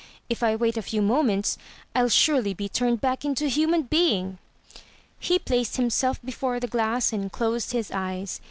"If I wait a few moments, TU surely be turned back into a human being." He placed himself before the glass and closed his eyes.